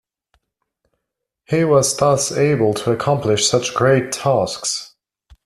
He was thus able to accomplish such great tasks!